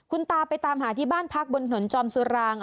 คุณตาไปตามหาที่บ้านพักบนถนนจอมสุราง